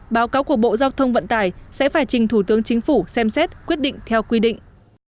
báo cáo của bộ giao thông vận tải sẽ phải trình thủ tướng chính phủ xem xét quyết định theo quy định